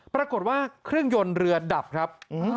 ปรากฏว่าเครื่องยนต์เรือดับครับ